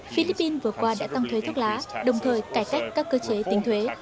philippines vừa qua đã tăng thuế thuốc lá đồng thời cải cách các cơ chế tính thuế